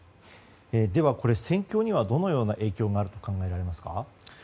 では、戦況にはどのような影響があると考えられますか？